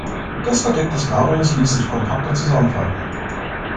Das Verdeck des Cabrios ließ sich kompakter zusammenfalten.